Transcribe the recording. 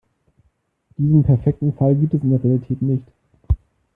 Diesen perfekten Fall gibt es in der Realität nicht.